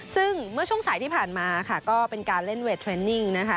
ซึ่งเมื่อช่วงสายที่ผ่านมาค่ะก็เป็นการเล่นเวทเทรนนิ่งนะคะ